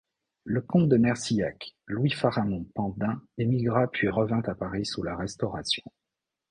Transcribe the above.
Le comte de Nercillac, Louis-Pharamond Pandin, émigra puis revint à Paris sous la Restauration.